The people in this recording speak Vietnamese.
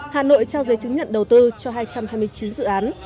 hà nội trao giấy chứng nhận đầu tư cho hai trăm hai mươi chín dự án